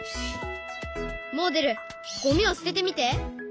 もおでるゴミを捨ててみて。